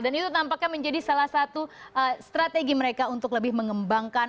dan itu tampaknya menjadi salah satu strategi mereka untuk lebih mengembangkan